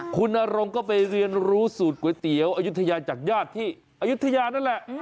คุณนรงก็ไปเรียนรู้สูตรก๋วยเตี๋ยวอายุทยาจากญาติที่อายุทยานั่นแหละ